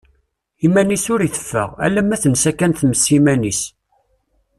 Iman-is ur iteffeɣ, alamma tensa kan tmes iman-is.